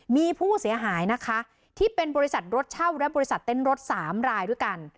มีผู้เสียหายนะคะที่เป็นบริษัทรถเช่าและบริษัทเต้นรถ๓รายด้วยกัน